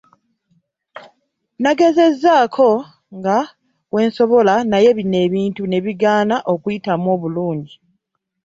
Nagezaako nga wensobola naye bino ebintu nebigaana okuyitamu bulungi.